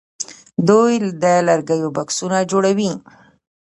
دوی د لرګیو بکسونه جوړوي.